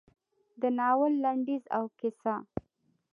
د ناول لنډیز او کیسه: